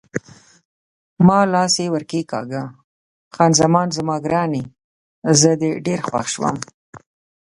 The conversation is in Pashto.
ما لاس یې ور کښېکاږه: خان زمان زما ګرانې، زه دې ډېر خوښوم.